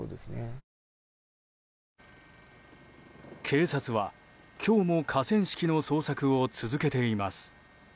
警察は今日も河川敷の捜索を続けています。